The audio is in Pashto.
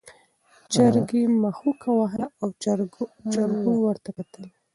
چرګې مښوکه وهله او چرګوړو ورته کتل.